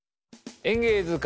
「演芸図鑑」